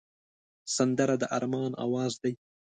سندره د ارمان آواز دی